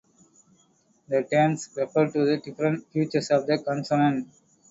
The terms refer to different features of the consonant.